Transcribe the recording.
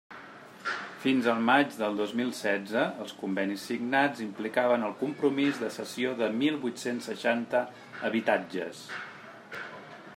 Fins al maig del dos mil setze, els convenis signats implicaven el compromís de cessió de mil vuit-cents seixanta habitatges.